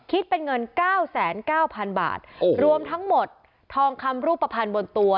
คิดเป็นเงินเก้าแสนเก้าพันบาทรวมทั้งหมดทองคำรูปภัณฑ์บนตัว